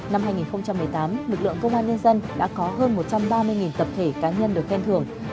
năm hai nghìn một mươi tám lực lượng công an nhân dân đã có hơn một trăm ba mươi tập thể cá nhân được khen thưởng